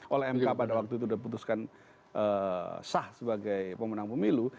oleh mk pada waktu itu sudah putuskan sah sebagai pemenang pemilu